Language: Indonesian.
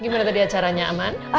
gimana tadi acaranya aman